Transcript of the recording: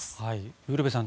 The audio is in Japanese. ウルヴェさん